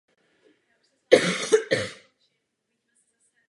Bitva o most byla krutá a vyžádala si spoustu obětí.